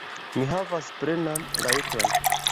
Vi havas plenan rajton.